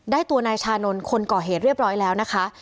ตัวนายชานนท์คนก่อเหตุเรียบร้อยแล้วนะคะ